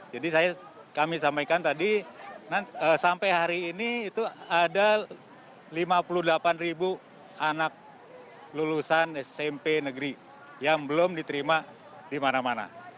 jadi kami sampaikan tadi sampai hari ini itu ada lima puluh delapan ribu anak lulusan smp negeri yang belum diterima di mana mana